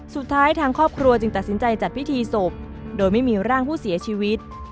ทางครอบครัวจึงตัดสินใจจัดพิธีศพโดยไม่มีร่างผู้เสียชีวิต